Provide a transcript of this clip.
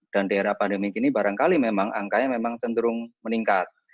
dan di era pandemi ini barangkali memang angkanya memang tendurung meningkat